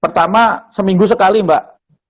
pertama seminggu sekali mbak